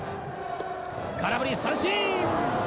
空振り三振！